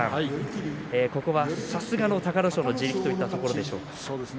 ここはさすがの隆の勝の地力といったところでしょうか。